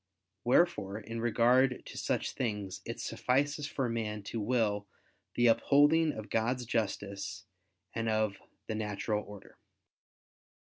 Wherefore in regard to such things it suffices for man to will the upholding of God's justice and of the natural order.